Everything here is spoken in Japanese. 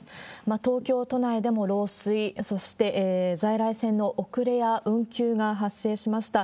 東京都内でも漏水、そして在来線の遅れや運休が発生しました。